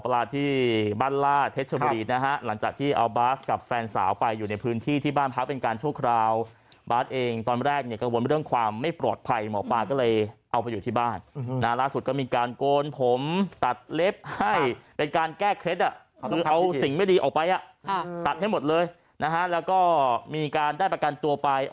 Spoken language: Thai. ได้ประกันตัวไปออกจากเรือนจามไปเขาบอกว่าเป็นการผิดคลิตคือตัดสิ่งชั่วร้ายไป